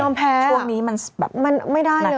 ช่วงนี้มันไม่ได้เลย